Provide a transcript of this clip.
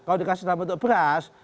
kalau dikasih dalam bentuk beras